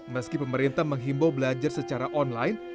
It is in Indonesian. meski pemerintah menghimbau belajar secara online